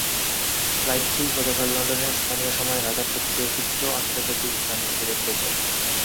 ফ্লাইটটি গতকাল লন্ডনের স্থানীয় সময় রাত আটটার দিকে হিথরো আন্তর্জাতিক বিমানবন্দরে পৌঁছায়।